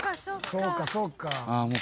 そうかそうか。